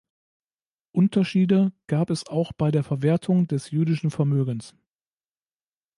Unterschiede gab es auch bei der Verwertung des jüdischen Vermögens.